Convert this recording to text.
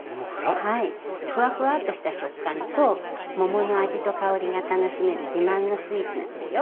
ふわふわっとした食感と桃の味と香りが楽しめる自慢のスイーツなんですよ。